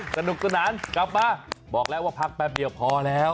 สนุกสนานกลับมาบอกแล้วว่าพักแป๊บเดียวพอแล้ว